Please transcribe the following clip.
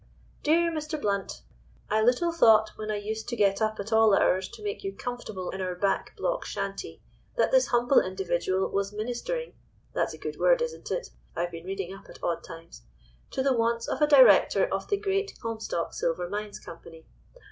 "DEAR MR. BLOUNT,—I little thought, when I used to get up at all hours to make you comfortable in our back block shanty, that this humble individual was ministering (that's a good word, isn't it? I've been reading up at odd times) to the wants of a Director of the Great Comstock Silver Mines Company.